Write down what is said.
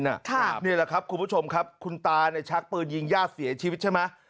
นี่แหละครับคุณผู้ชมครับคุณตาเนี่ยชักปืนยิงญาติเสียชีวิตใช่ไหม